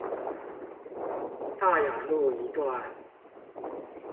大雅路一段